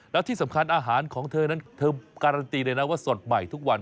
แล้วที่สำคัญอาหารของเธอนั้นเธอการันตีเลยนะว่าสดใหม่ทุกวัน